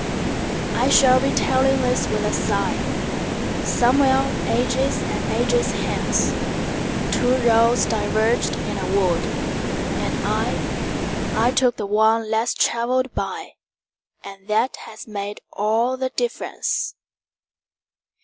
I shall be telling this with a sighSomewhere ages and ages hence:Two roads diverged in a wood, and I—I took the one less traveled by, And that has made all the difference.